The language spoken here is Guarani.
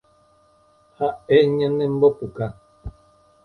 Ha'e ñanembopuka